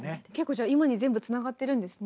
じゃあ今に全部つながってるんですね。